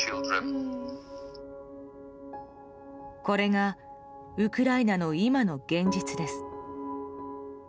これがウクライナの今の現実です。